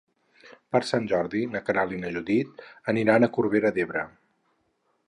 Per Sant Jordi na Queralt i na Judit aniran a Corbera d'Ebre.